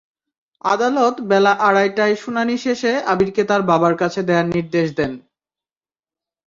আদালত বেলা আড়াইটায় শুনানি শেষে আবিরকে তার বাবার কাছে দেওয়ার নির্দেশ দেন।